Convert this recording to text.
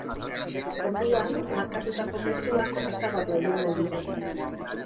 Orduan, markatutako mezuak ezabatu egingo dira.